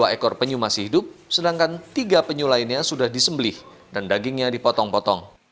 dua ekor penyu masih hidup sedangkan tiga penyu lainnya sudah disembelih dan dagingnya dipotong potong